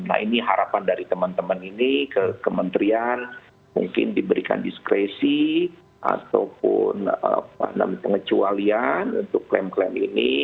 nah ini harapan dari teman teman ini ke kementerian mungkin diberikan diskresi ataupun pengecualian untuk klaim klaim ini